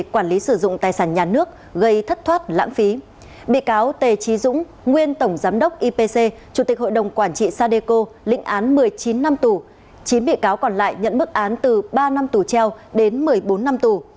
chủ tịch hội đồng quản trị sadeco lĩnh án một mươi chín năm tù chín bị cáo còn lại nhận mức án từ ba năm tù treo đến một mươi bốn năm tù